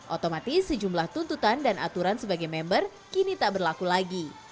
otomatis sejumlah tuntutan dan aturan sebagai member kini tak berlaku lagi